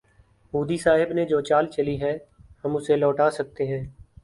مودی صاحب نے جو چال چلی ہے، ہم اسے لوٹا سکتے ہیں۔